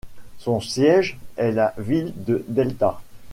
Son siège est la ville de Delta.